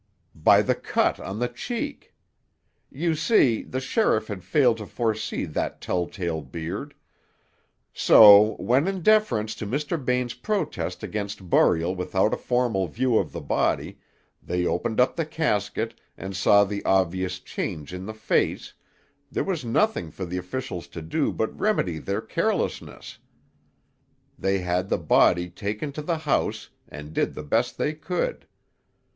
"By the cut on the cheek. You see, the sheriff had failed to foresee that telltale beard. So, when in deference to Mr. Bain's protest against burial without a formal view of the body, they opened up the casket and saw the obvious change in the face, there was nothing for the officials to do but remedy their carelessness. They had the body taken to the house, and did the best they could.